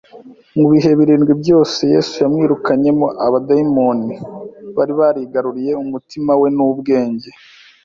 Mu bihe birindwi byose Yesu yamwirukanyemo abadayimoni bari barigaruriye umutima we n'ubwenge.